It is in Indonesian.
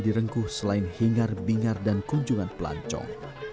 di rengkuh selain hingar bingar dan kunjungan pelancong